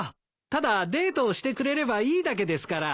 ただデートをしてくれればいいだけですから。